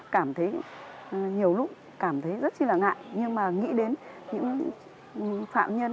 cảm thấy nhiều lúc cảm thấy rất chi là ngại nhưng mà nghĩ đến những phạm nhân